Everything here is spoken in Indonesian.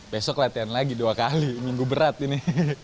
besok latihan lagi dua kali minggu berat ini